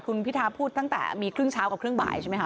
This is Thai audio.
คุณพิทาพูดตั้งแต่มีครึ่งเช้ากับครึ่งบ่ายใช่ไหมคะ